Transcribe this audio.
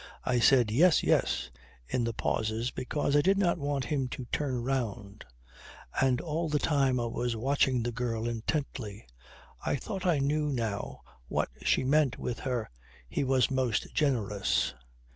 I said "yes, yes" in the pauses because I did not want him to turn round; and all the time I was watching the girl intently. I thought I knew now what she meant with her "He was most generous."